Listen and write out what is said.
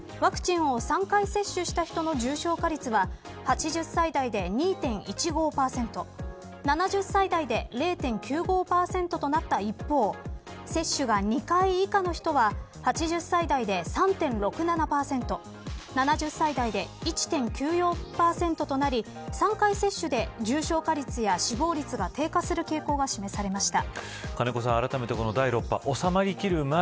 また、第６波における重症化率や死亡率についてワクチンを３回接種した人の重症化率は８０歳代で２．１５％７０歳代で０．９５％となった一方接種が２回以下の人は８０歳代で３．６７％７０歳代で１．９４％となり３回接種で重症化率や死亡率が低下する傾向が示されました。